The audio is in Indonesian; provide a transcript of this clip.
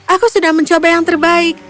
aku sudah mencoba yang terbaik